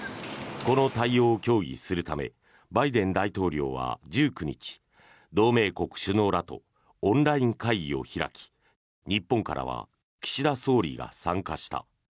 この対応を協議するためバイデン大統領は１９日同盟国首脳らとオンライン会議を開き日本からは岸田総理が参加した。